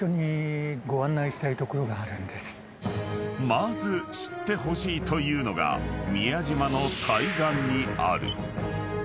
［まず知ってほしいというのが宮島の対岸にある］